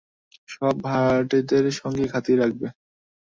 সব ভাড়াটেদের সঙ্গে খাতির রাখবে।